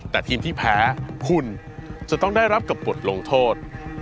แต่ทีมที่แพ้คุณจะต้องได้รับกับบทลงโทษ